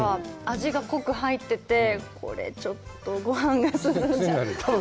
味が濃く入ってて、これ、ちょっとごはんが進んじゃう。